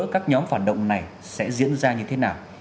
các nhóm phản động này sẽ diễn ra như thế nào